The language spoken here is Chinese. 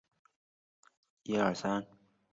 帕拉豹蛛为狼蛛科豹蛛属的动物。